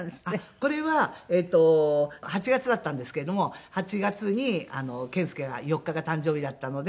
これはえっと８月だったんですけれども８月に健介が４日が誕生日だったので。